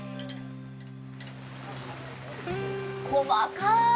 細かい。